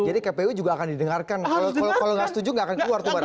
jadi kpu juga akan didengarkan kalau nggak setuju nggak akan keluar tuh barang